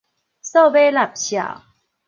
數碼納數